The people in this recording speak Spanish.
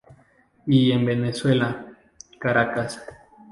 Y en Venezuela, Caracas.